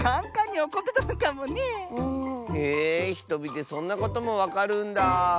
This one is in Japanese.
へえひとみでそんなこともわかるんだ。